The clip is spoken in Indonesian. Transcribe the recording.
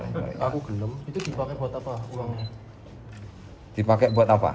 itu dipakai buat apa uangnya